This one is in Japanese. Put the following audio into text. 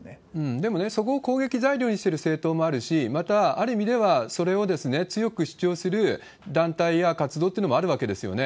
でもね、そこを攻撃材料にしてる政党もあるし、また、ある意味ではそれを強く主張する団体や活動っていうのもあるわけですよね。